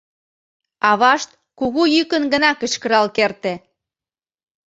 Авашт кугу йӱкын гына кычкырал керте: